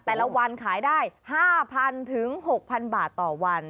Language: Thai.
แต่ละวันขายได้๕๐๐๐ถึง๖๐๐บาทต่อวัน